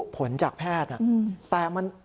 ผลจากแพทย์แต่มัน